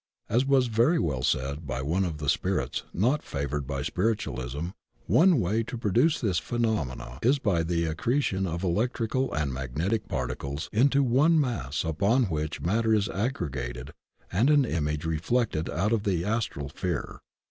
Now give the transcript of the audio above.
As was very well said by one of the "spirits" not favored by spiritualism, one way to pro duce diis phenomenon is by the accretion of electrical and magnetic particles into one mass upon which mat ter is aggregated and an image reflected out of the Astral sphere.